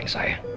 dan saya juga